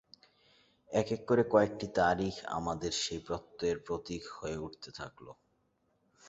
একেক করে কয়েকটি তারিখ আমাদের সেই প্রত্যয়ের প্রতীক হয়ে উঠতে থাকল।